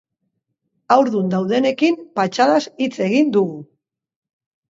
Haurdun daudenekin patxadaz hitz egin dugu.